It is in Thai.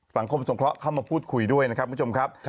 สังคมสงเคราะห์เข้ามาพูดคุยด้วยนะครับคุณผู้ชมครับ